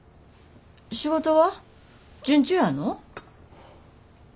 仕事は順調やの？